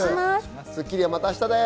『スッキリ』はまた明日です。